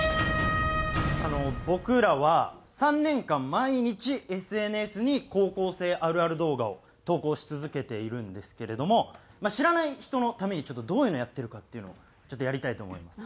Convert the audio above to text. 僕らは３年間毎日ＳＮＳに「高校生あるある」動画を投稿し続けているんですけれども知らない人のためにどういうのをやってるかっていうのをちょっとやりたいと思います。